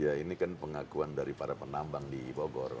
ya ini kan pengakuan dari para penambang di bogor